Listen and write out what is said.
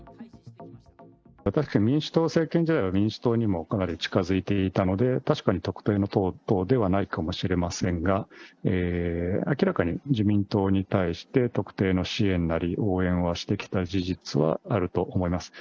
確かに民主党政権時代は、民主党にもかなり近づいていたので、確かに特定の党ではないかもしれませんが、明らかに自民党に対して、特定の支援なり、応援はしてきた事実はあると思います。